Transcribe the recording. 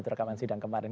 itu rekaman sidang kemarin